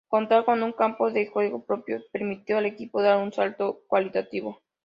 Contar con un campo de juego propio permitió al equipo dar un salto cualitativo.